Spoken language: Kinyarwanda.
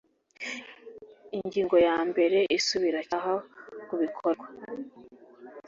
Ingingo ya mbere Isubiracyaha ku bikorwa